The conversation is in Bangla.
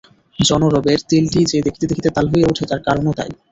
জনরবের তিলটি যে দেখিতে দেখিতে তাল হইয়া উঠে তার কারণও তাই।